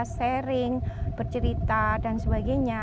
mereka sering bercerita dan sebagainya